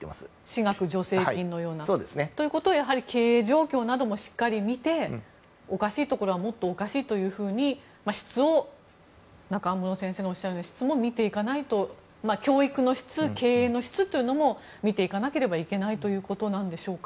私学助成金のような。ということは、やはり経営状況などもしっかり見ておかしいところはおかしいというふうに中室先生のおっしゃるように質も教育の質、経営の質というのも見ていかなければいけないということなんでしょうか。